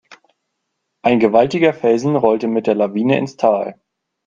Ein gewaltiger Felsen rollte mit der Lawine ins Tal.